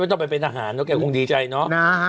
ไม่ต้องไปเป็นทหารแกคงดีใจเนอะ